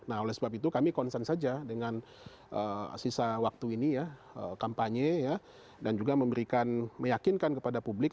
nah oleh sebab itu kami konsen saja dengan sisa waktu ini ya kampanye dan juga memberikan meyakinkan kepada publik